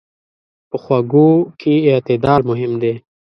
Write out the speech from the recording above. په خوږو کې اعتدال مهم دی.